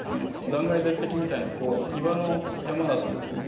断崖絶壁みたいなこう岩の山だったんですけど５６